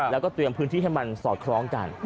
แล้วก็เตรียมพื้นที่ให้มันสอดคล้องกัน